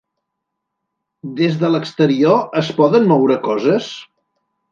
Des de l’exterior, es poden moure coses?